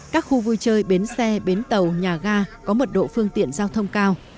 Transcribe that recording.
các khu vui chơi bến xe bến tàu nhà ga có mật độ phương tiện giao thông cao